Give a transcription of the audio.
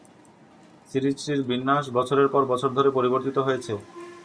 সিরিজটির বিন্যাস বছরের পর বছর ধরে পরিবর্তিত হয়েছে।